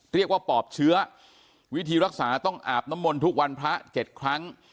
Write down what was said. ปอบเชื้อวิธีรักษาต้องอาบน้ำมนต์ทุกวันพระ๗ครั้ง